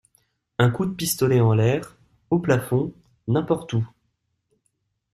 Un coup de pistolet en l'air, au plafond, n'importe où.